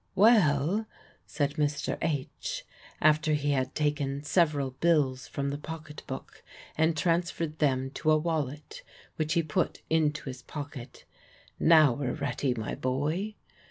"Well," said Mr. H., after he had taken several bills from the pocket book and transferred them to a wallet which he put into his pocket, "now we're ready, my boy."